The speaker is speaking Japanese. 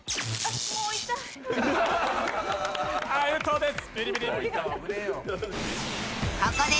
アウトです。